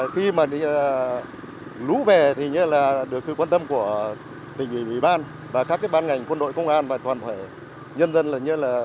khi mà lũ về thì được sự quan tâm của tỉnh ủy ban và các ban ngành quân đội công an và toàn thể nhân dân